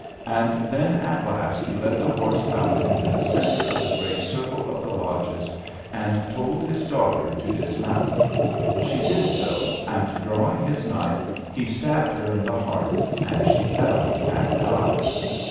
And then at last he led the horse out into the center of the great circle of the lodges, and told his daughter to dismount. She did so, and, drawing his knife, he stabbed her in the heart and she fell and died.